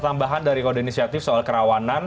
tambahan dari kode inisiatif soal kerawanan